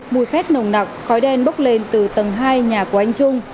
mùi khét nồng nặng khói đen bốc lên từ tầng hai nhà của anh trung